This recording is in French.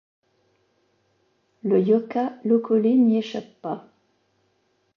Le Yoka Lokolé n'y échappe pas.